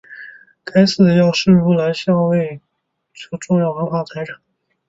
该寺的药师如来像为淡路市的重要文化财产。